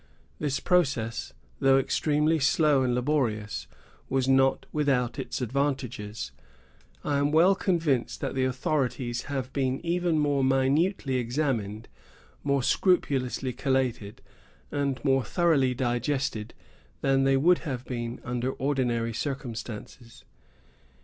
This process, though extremely slow and laborious, was not without its advantages; and I am well convinced that the authorities have been even more minutely examined, more scrupulously collated, and more thoroughly digested, than they would have been under ordinary circumstances.